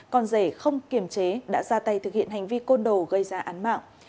con rể không kiềm chế đã ra tay thực hiện hành vi côn đồ gây ra án mạng